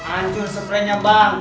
ancur sefrenya bang